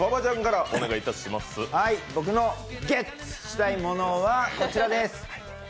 僕のゲッツしたいものはこちらです。